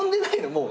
もう。